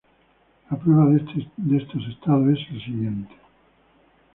La prueba de estos estados es el siguiente.